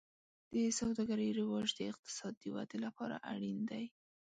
د سوداګرۍ رواج د اقتصاد د ودې لپاره اړین دی.